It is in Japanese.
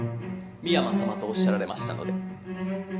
深山さまとおっしゃられましたので。